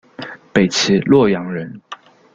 北齐洛阳人。